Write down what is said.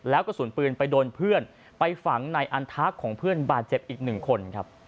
แล้วกระสุนปืนไปโดนเพื่อนไปฝังในอันทักของเพื่อนบาดเจ็บอีกหนึ่งคนครับ